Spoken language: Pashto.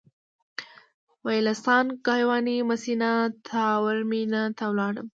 ویلاسان ګایواني مسینا تاورمینا ته ولاړم.